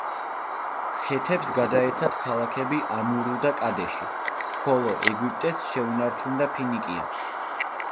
ხეთებს გადაეცათ ქალაქები ამურუ და კადეში, ხოლო ეგვიპტეს შეუნარჩუნდა ფინიკია.